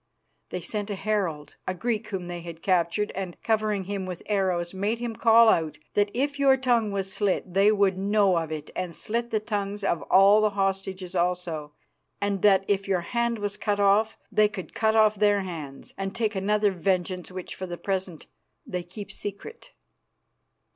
They sent a herald, a Greek whom they had captured, and, covering him with arrows, made him call out that if your tongue was slit they would know of it and slit the tongues of all the hostages also, and that if your hand was cut off they could cut off their hands, and take another vengeance which for the present they keep secret."